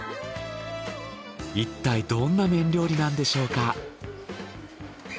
いったいどんな麺料理なんでしょうか？